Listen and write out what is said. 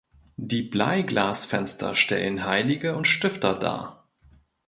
Die Bleiglasfenster stellen Heilige und Stifter dar.